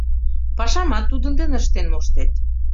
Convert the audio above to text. Пашамат тудын дене ыштен моштет.